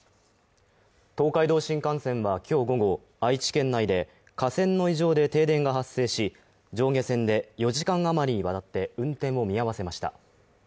東海道新幹線は今日午後愛知県内で架線の異常で停電が発生し、上下線で４時間余りにわたって運転を見合わせました。